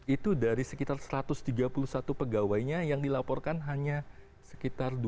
itu dari sekitar satu ratus tiga puluh satu pegawainya yang dilaporkan hanya sekitar dua ratus